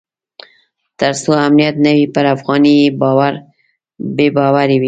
تر څو امنیت نه وي پر افغانۍ بې باوري وي.